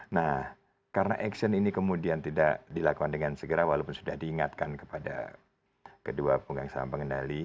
nah karena action ini kemudian tidak dilakukan dengan segera walaupun sudah diingatkan kepada kedua penggang saham pengendali